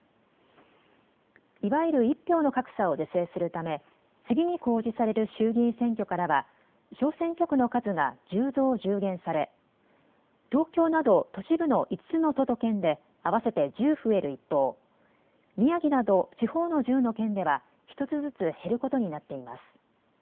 いわゆる１票の格差を是正するため次に公示される衆議院選挙からは小選挙区の数が１０増１０減され、東京など都市部の５つの都と県で合わせて１０増える一方、宮城など地方の１０の県では１つずつ減ることになっています。